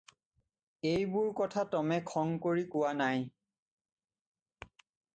এইবােৰ কথা টমে খং কৰি কোৱা নাই।